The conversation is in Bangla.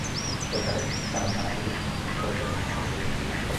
পরে তানোর থানা পুলিশ খবর পেয়ে ঘটনাস্থলে গিয়ে পরিস্থিতি শান্ত করে।